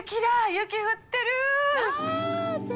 雪、降ってる。